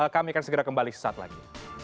kami akan segera kembali sesaat lagi